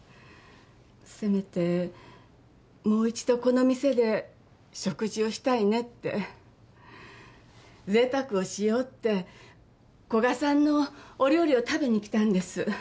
せめてもう一度この店で食事をしたいねってぜいたくをしようって古賀さんのお料理を食べに来たんです